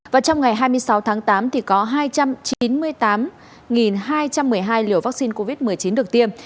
và trong ngày hai mươi sáu tháng tám thì có hai trăm chín mươi tám hai trăm một mươi hai liều vaccine covid một mươi chín được tiêm